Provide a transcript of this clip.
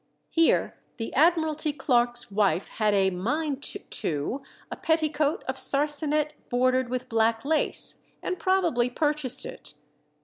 Here the Admiralty clerk's wife had "a mind to" a petticoat of sarcenet bordered with black lace, and probably purchased it.